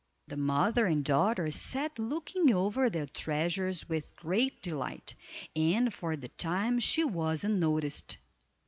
The mother and daughter sat looking over their treasures with great delight, and for the time she was unnoticed.